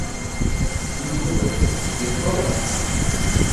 তুমি কে বলো তো, জেক পল?